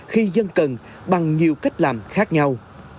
những người dân cần bằng nhiều cách làm khác nhau